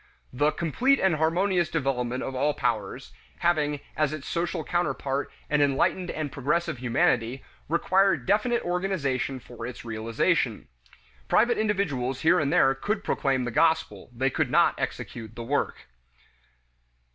The "complete and harmonious development of all powers," having as its social counterpart an enlightened and progressive humanity, required definite organization for its realization. Private individuals here and there could proclaim the gospel; they could not execute the work.